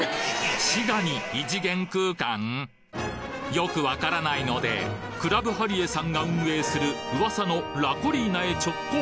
よく分からないのでクラブハリエさんが運営する噂のラコリーナへ直行！